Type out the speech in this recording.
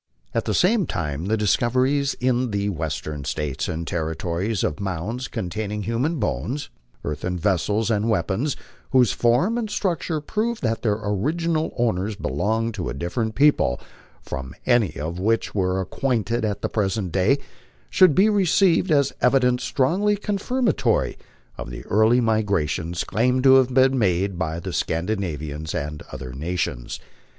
At the same time the discoveries in the Western States and territories of mounds containing human bones, earthen vessels, and weapons whose form and structure prove that their original owners belonged to a different people from any with which we are acquainted at the present day, should be received as evidence strongly confirmatory of the early migrations claimed to have been made by the Scandi navians and other nations.